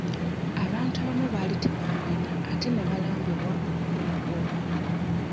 Abantu abamu bali tebabulina, ate nebalambibwa okuba nabwo.